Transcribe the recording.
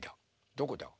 どこだ？